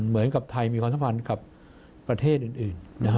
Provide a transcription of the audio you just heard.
เหมือนกับไทยมีความสัมพันธ์กับประเทศอื่น